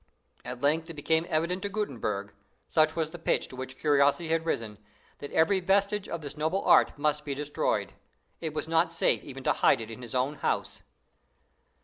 At length it became evident to Gutenberg such was the pitch to which curiosity had risen that every vestige of the noble art must be destroyed. It was not safe even to hide it in his own house.